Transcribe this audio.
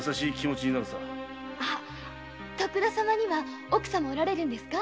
徳田様には奥様がおられるんですか？